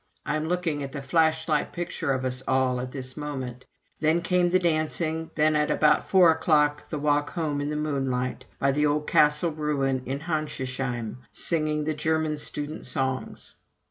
I am looking at the flashlight picture of us all at this moment. Then came the dancing, and then at about four o'clock the walk home in the moonlight, by the old castle ruin in Handschusheim, singing the German student songs.